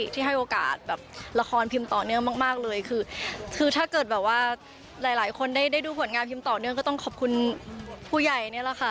ที่ให้โอกาสแบบละครพิมพ์ต่อเนื่องมากเลยคือคือถ้าเกิดแบบว่าหลายหลายคนได้ดูผลงานพิมพ์ต่อเนื่องก็ต้องขอบคุณผู้ใหญ่นี่แหละค่ะ